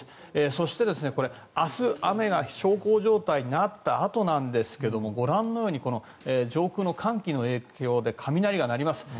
そして、明日雨が小康状態になったあとなんですがご覧のように上空の寒気の影響で雷が鳴ります。